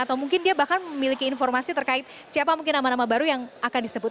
atau mungkin dia bahkan memiliki informasi terkait siapa mungkin nama nama baru yang akan disebut